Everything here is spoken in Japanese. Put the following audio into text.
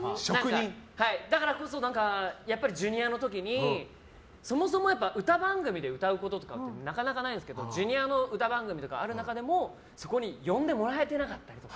だからこそやっぱりＪｒ．の時にそもそも歌番組で歌うことってあんまりないんですけどＪｒ．の歌番組とかある中でもそこに呼んでもらえてなかった。